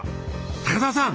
高沢さん